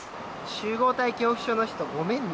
集合体恐怖症の人、ごめんね。